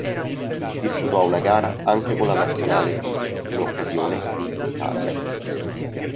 Disputò una gara anche con la nazionale B, in occasione di Italia-.